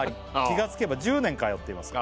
「気がつけば１０年通っています」